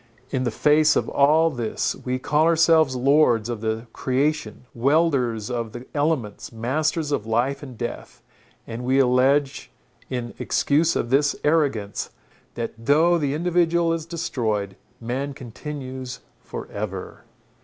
In the face of all this we call ourselves lords of the creation, wielders of the elements, masters of life and death, and we allege in excuse of this arrogance, that though the individual is destroyed, man continues for ever.